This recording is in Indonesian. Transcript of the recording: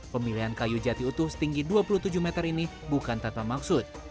pemilihan kayu jati utuh setinggi dua puluh tujuh meter ini bukan tanpa maksud